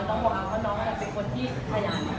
น้องเอาจริงน้องก็ถ่ายได้